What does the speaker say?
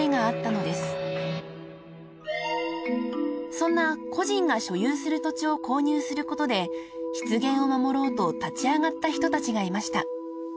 ［そんな個人が所有する土地を購入することで湿原を守ろうと立ち上がった人たちがいました］